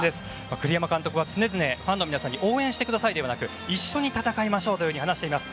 栗山監督は常々ファンの皆さんに応援してください、ではなく一緒に戦いましょうと話しています。